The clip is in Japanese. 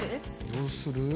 どうする？